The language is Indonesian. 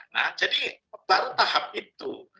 nah jadi baru tahap itu